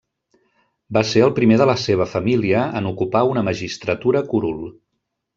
Va ser el primer de la seva família en ocupar una magistratura curul.